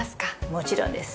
もちろんです！